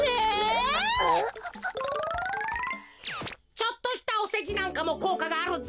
ちょっとしたおせじなんかもこうかがあるぜ。